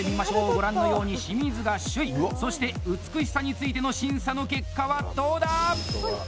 ご覧のように清水が首位そして美しさについての審査の結果は、どうだ！